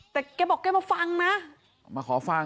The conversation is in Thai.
แต่แกบอกแกมาฟังนะมาขอฟัง